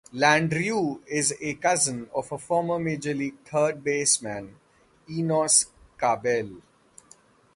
Landreaux is a cousin of former major league third baseman Enos Cabell.